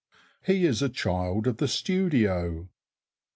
He is a child of the studio.